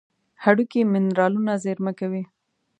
هډوکي منرالونه زیرمه کوي.